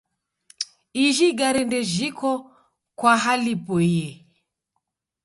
Iji igare ndejiko kwa hali iboie.